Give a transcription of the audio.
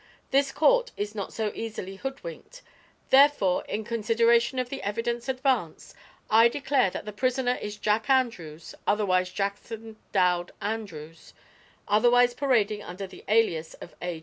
This court is not so easily hoodwinked. Therefore, in consideration of the evidence advanced, I declare that the prisoner is Jack Andrews, otherwise Jackson Dowd Andrews, otherwise parading under the alias of 'A.